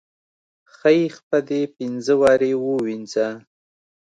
خۍ خپه دې پينزه وارې ووينزه.